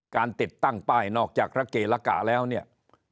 ติดตั้งป้ายนอกจากระเกละกะแล้วเนี่ย